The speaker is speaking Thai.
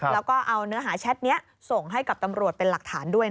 แล้วก็เอาเนื้อหาแชทนี้ส่งให้กับตำรวจเป็นหลักฐานด้วย